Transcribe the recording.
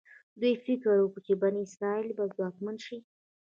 دوی فکر وکړ چې بني اسرایل به ځواکمن شي.